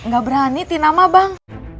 gak berani tin ama bang